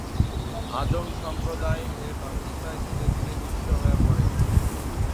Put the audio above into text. হাজং সম্প্রদায় এ ব্যাবস্থায় দিনে দিনে নিঃস্ব হয়ে পরে।